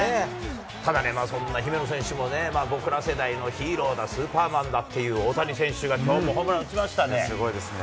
ただね、そんな姫野選手もね、僕ら世代のヒーローだ、スーパーマンだっていう大谷選手が、すごいですね。